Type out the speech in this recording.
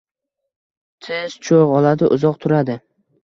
Tez cho‘g‘ oladi, uzoq turadi.